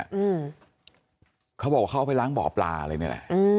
อืมเขาบอกว่าเขาเอาไปล้างบ่อปลาอะไรนี่แหละอืม